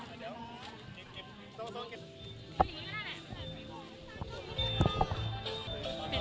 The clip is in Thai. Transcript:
ปิดจ๊อก